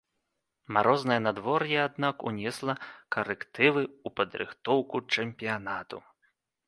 Марознае надвор'е аднак унесла карэктывы ў падрыхтоўку чэмпіянату.